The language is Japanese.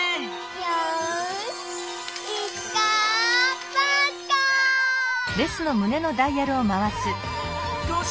よし！